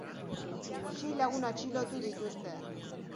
Sei lagun atxilotu dituzte.